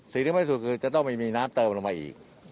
สิ่งที่ไม่สุดคือจะต้องไม่มีน้ำเติมลงมาอีก